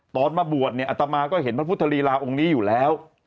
มาบวชเนี่ยอัตมาก็เห็นพระพุทธลีลาองค์นี้อยู่แล้ว